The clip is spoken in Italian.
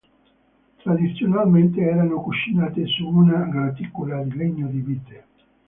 Tradizionalmente erano cucinate su una graticola di legno di vite.